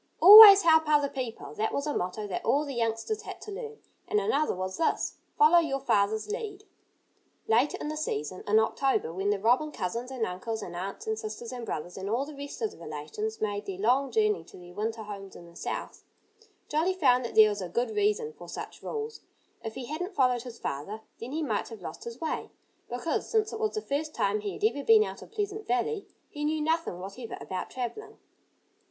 "Always help other people!" That was a motto that all the youngsters had to learn. And another was this: "Follow your father's lead!" Later in the season, in October, when the robin cousins and uncles and aunts and sisters and brothers and all the rest of the relations made their long journey to their winter homes in the South, Jolly found that there was a good reason for such rules. If he hadn't followed his father then he might have lost his way, because since it was the first time he had ever been out of Pleasant Valley he knew nothing whatever about travelling.